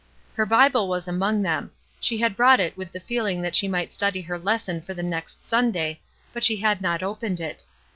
Her Bible was among them ; she had brought it with the feeling that she might study her lesson for the next Sunday, but she had not opened it.